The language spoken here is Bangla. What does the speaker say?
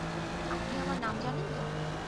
আপনি আমার নাম জানেন তো?